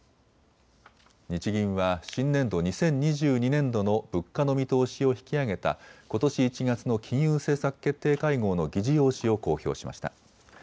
日銀は新年度、２０２２年度の国家の見通しを引き上げたことし１月の金融政策決定会合の議事要旨を公表しました。